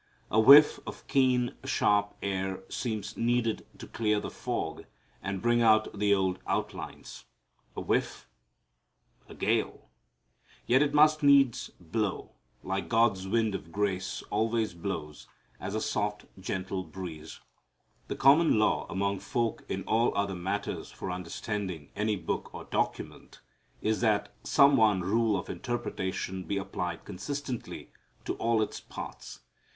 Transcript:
A whiff of keen, sharp air seems needed to clear the fog and bring out the old outlines a whiff? a gale! Yet it must needs blow, like God's wind of grace always blows, as a soft gentle breeze. The common law among folk in all other matters for understanding any book or document is that some one rule of interpretation be applied consistently to all its parts.